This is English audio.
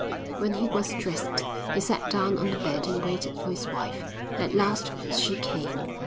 When he was dressed he sat down on the bed and waited for his wife. At last she came.